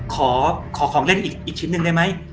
ขอของเล่นอีกชิ้นนึงได้มั้ย